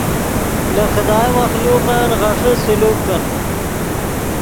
لے خدائے مخلوقن غیݰے سلوک کن